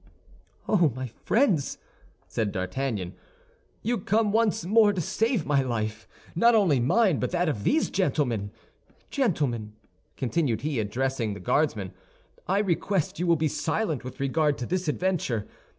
"Oh, my friends," said D'Artagnan, "you come once more to save my life, not only mine but that of these gentlemen. Gentlemen," continued he, addressing the Guardsmen, "I request you will be silent with regard to this adventure.